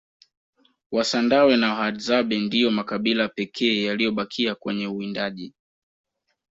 wasandawe na wahadzabe ndiyo makabila pekee yaliyobakia kwenye uwindaji